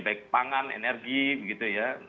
baik pangan energi begitu ya